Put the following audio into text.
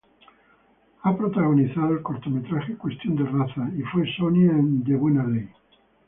Ha protagonizado el cortometraje "Cuestión de razas" y fue Sonia en "De Buena ley".